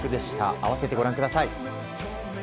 併せてご覧ください。